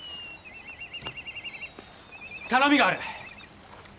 頼みがある。